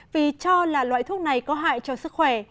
vì cho là loại thuốc này có hại cho sức khỏe